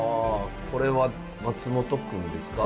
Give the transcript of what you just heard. これは松本くんですか。